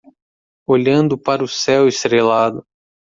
Olhando para o céu estrelado